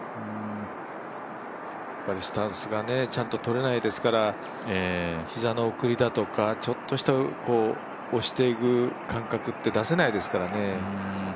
スタンスがちゃんととれないですから、膝の送りだとか、ちょっとした押していく感覚って出せないですからね。